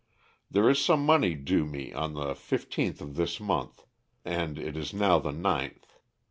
There is some money due me on the fifteenth of this month, and it is now the ninth.